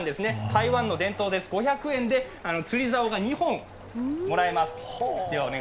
台湾の伝統です、５００円で釣りざおが２本もらえます。